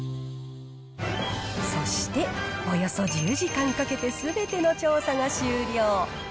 そして、およそ１０時間かけてすべての調査が終了。